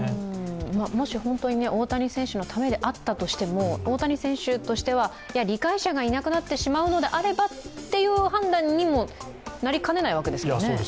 もし本当に大谷選手のためであったとしても大谷選手としては、理解者がいなくなってしまうのであればという判断にもなりかねないわけですよね。